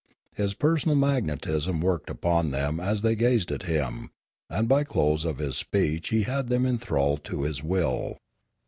His personal magnetism worked upon them as they gazed at him, and by the close of his speech he had them enthralled to his will.